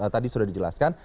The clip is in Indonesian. tadi sudah dijelaskan